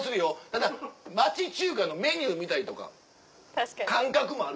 ただ町中華のメニュー見たりとか感覚もあるし。